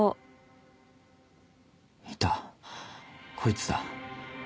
いたこいつだ。